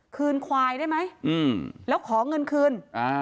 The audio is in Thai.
คืนควายได้ไหมแล้วขอเงินคืน